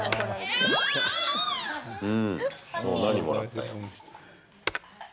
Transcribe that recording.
おっ、何もらったよ。